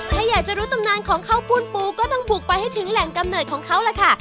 ถ้าอยากจะรู้ตำนานของข้าวปุ้นปูก็ต้องบุกไปให้ถึงแหล่งกำเนิดของเขาล่ะค่ะ